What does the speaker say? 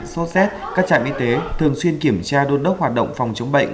số xét các trạm y tế thường xuyên kiểm tra đôn đốc hoạt động phòng chống bệnh